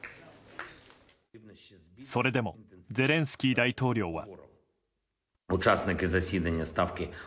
それでも、ゼレンスキー大統領は。